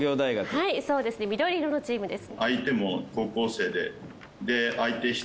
はいそうですね緑色のチームです。